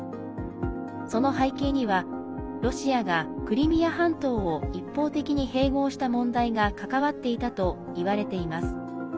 その背景にはロシアがクリミア半島を一方的に併合した問題が関わっていたといわれています。